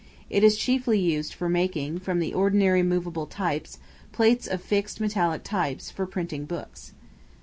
It is chiefly used for making, from the ordinary movable types, plates of fixed metallic types, for printing books.